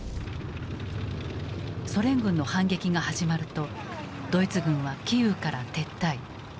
ソ連軍の反撃が始まるとドイツ軍はキーウから撤退。